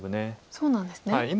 そうなんですね。